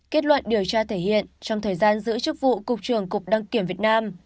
kết luận điều tra thể hiện trong thời gian giữ chức vụ cục trưởng cục đăng kiểm việt nam